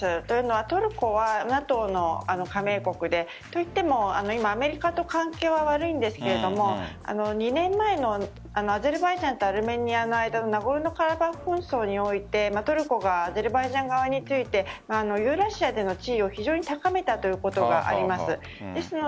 というのはトルコはＮＡＴＯの加盟国でといっても今アメリカと関係は悪いんですが２年前のアゼルバイジャンとアルメニアの間の紛争においてトルコがアゼルバイジャン側についてロシアでの地位を非常に高めたということがあります。